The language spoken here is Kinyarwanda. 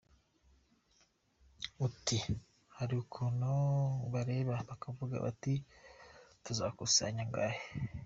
Ati “Hariri ukuntu bareba bakavuga bati ‘tuzakusanya angahe’.